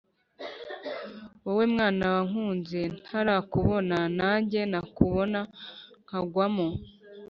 wowe mwana wankunze ntarakubona nanjye nakubona nkagwamo